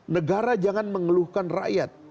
negara jangan mengeluhkan rakyat